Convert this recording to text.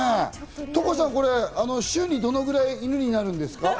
トコさん、これ週にどのぐらい犬になるんですか？